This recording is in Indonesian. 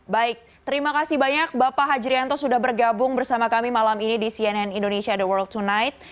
baik terima kasih banyak bapak hajrianto sudah bergabung bersama kami malam ini di cnn indonesia the world tonight